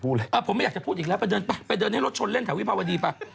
ผมไม่อยากจะพูดอีกแล้วไปเดินให้รถชนเล่นแถววิภาวดี